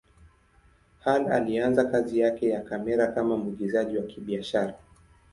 Hall alianza kazi yake ya kamera kama mwigizaji wa kibiashara.